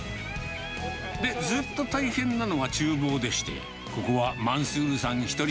で、ずっと大変なのはちゅう房でして、ここはマンスールさん１人、